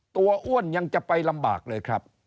อ้วนยังจะไปลำบากเลยครับ